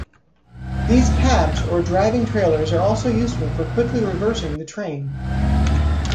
These cabs or driving trailers are also useful for quickly reversing the train.